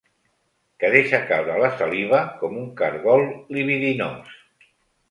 Que deixa caure la saliva com un cargol libidinós.